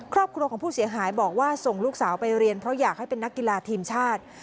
ครอบครัวของผู้เสียหายบอกว่าส่งลูกสาวไปเรียนเพราะอยากให้เป็นนักกีฬาทีมชาติ